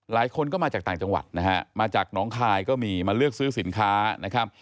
หลายคนก็มาจากต่างจังหวัดนะฮะมาจากน้องคายก็มีมาเลือกซื้อสินค้านะครับ